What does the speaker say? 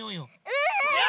うん！